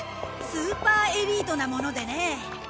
スーパーエリートなものでね。